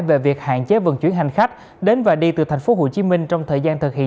về việc hạn chế vận chuyển hành khách đến và đi từ tp hcm trong thời gian thực hiện